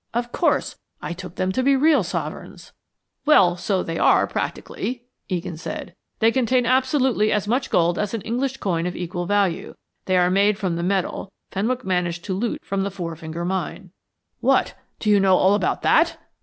Of course, I took them to be real sovereigns " "Well, so they are practically," Egan said. "They contain absolutely as much gold as an English coin of equal value. They are made from the metal Fenwick managed to loot from the Four Finger Mine." "What, do you know all about that?"